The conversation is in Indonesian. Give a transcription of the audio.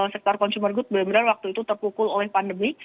sektor consumer good benar benar waktu itu terpukul oleh pandemi